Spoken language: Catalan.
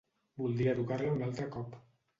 Voldria tocar-la un altre cop